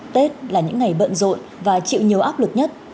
tết là những ngày bận rộn và chịu nhiều áp lực nhất